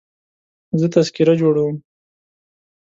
زه تذکره جوړوم.